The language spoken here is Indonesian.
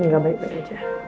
gak baik baik aja